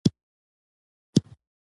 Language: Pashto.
سره یوځای موږ به بریالي شو.